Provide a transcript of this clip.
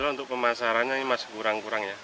untuk pemasarannya ini masih kurang kurang ya